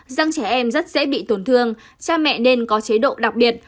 rằng trẻ em rất dễ bị tổn thương cha mẹ nên có chế độ đặc biệt